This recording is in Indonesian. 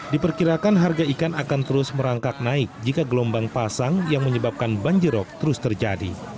diperkirakan harga ikan akan terus merangkak naik jika gelombang pasang yang menyebabkan banjirop terus terjadi